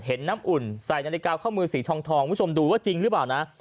เห็นน้ำอุ่นใส่นาฬิกาข้อมือสีทองคุณผู้ชมดูว่าจริงหรือเปล่านะ